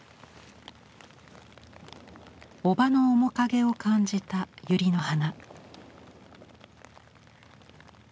おばの面影を感じたユリの花。